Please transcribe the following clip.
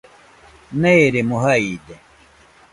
Neeremo jaide.